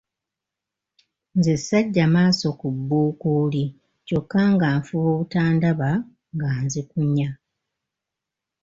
Nze saggya maaso ku Bbuukuuli kyokka nga nfuba obutandaba nga zinkunya.